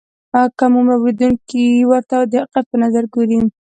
کم عمره اورېدونکي ورته د حقیقت په نظر ګوري.